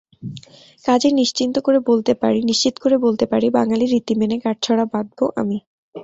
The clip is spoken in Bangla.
কাজেই নিশ্চিত করে বলতে পারি, বাঙালি রীতি মেনে গাঁটছড়া বাঁধব আমি।